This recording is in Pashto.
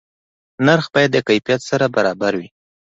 نرخ باید د کیفیت سره برابر وي.